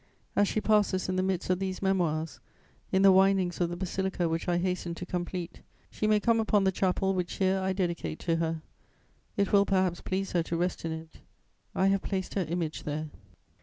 As she passes in the midst of these Memoirs, in the windings of the basilica which I hasten to complete, she may come upon the chapel which here I dedicate to her; it will perhaps please her to rest in it: I have placed her image there.